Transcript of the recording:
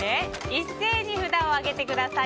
一斉に札を上げてください。